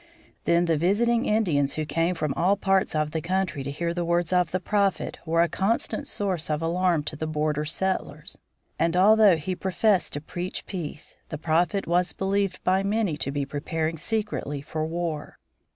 Then, the visiting Indians who came from all parts of the country to hear the words of the Prophet were a constant source of alarm to the border settlers. And, although he professed to preach peace, the Prophet was believed by many to be preparing secretly for war.